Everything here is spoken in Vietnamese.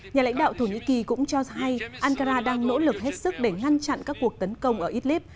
nhà lãnh đạo thổ nhĩ kỳ cũng cho hay ankara đang nỗ lực hết sức để ngăn chặn các cuộc tấn công ở idlib